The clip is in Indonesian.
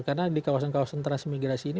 karena di kawasan kawasan transmigrasi ini